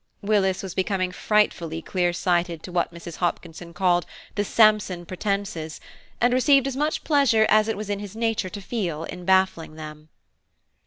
Willis was becoming frightfully clear sighted to what Mrs. Hopkinson called the Sampson pretences, and received as much pleasure as it was in his nature to feel in baffling them.